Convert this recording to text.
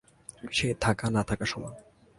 সে থাকা-না থাকা সমান।